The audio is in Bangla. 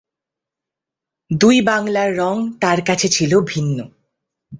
দুই বাংলার রঙ তার কাছে ছিল ভিন্ন।